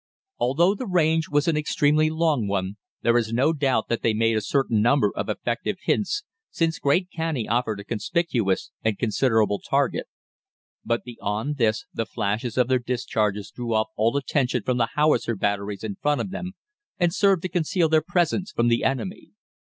Although the range was an extremely long one, there is no doubt that they made a certain number of effective hits, since Great Canney offered a conspicuous and considerable target. But beyond this the flashes of their discharges drew off all attention from the howitzer batteries in front of them, and served to conceal their presence from the enemy.